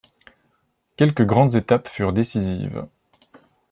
Quelques grandes étapes furent décisives.